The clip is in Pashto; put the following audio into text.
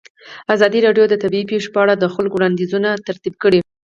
ازادي راډیو د طبیعي پېښې په اړه د خلکو وړاندیزونه ترتیب کړي.